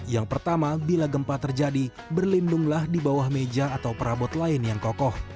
yang pertama bila gempa terjadi berlindunglah di bawah meja atau perabot perabot